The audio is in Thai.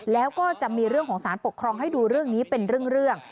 แล้วก็จะมีเรื่องของสารปกครองให้ดูเรื่องนี้เป็นเรื่อง